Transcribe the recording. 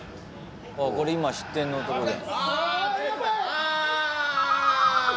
これ今失点のとこだ。